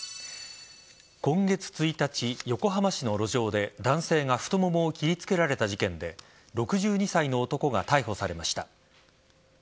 今月１日、横浜市の路上で男性が太ももを切りつけられた事件で６２歳の男が逮捕されました。